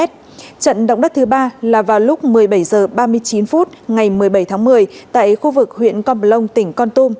trận động đất thứ ba là vào lúc một mươi bảy h ba mươi chín phút ngày một mươi bảy tháng một mươi tại khu vực huyện con plong tỉnh con tum